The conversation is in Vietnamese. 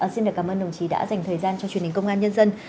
xin cảm ơn đồng chí đã dành thời gian cho truyền hình công an nhân dân